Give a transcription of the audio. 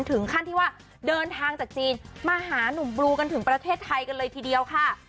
ถึงขั้นที่ว่าเดินทางจากจีนมาหานุ่มบลูกันถึงประเทศไทยกันเลยทีเดียวค่ะ